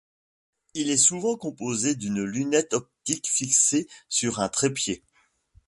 Il est souvent composé d'une lunette optique fixée sur un trépied.